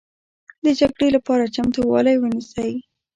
د جګړې لپاره چمتوالی ونیسئ